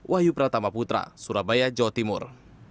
wahyu pratama putra surabaya jawa timur